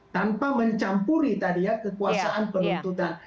tanpa mencampuri tadi ya kekuasaan penuntutan